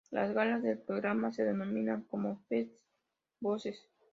Las "galas", del programa, se denominaban como "Festi-Voces".